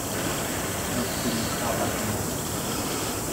Not feeling fab at the moment.